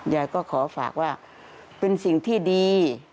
ยายก็ขอฝากว่าเป็นสิ่งที่ดี